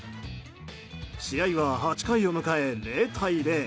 試合は８回を迎え０対０。